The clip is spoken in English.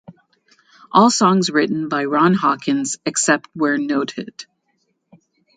All songs written by Ron Hawkins except where noted.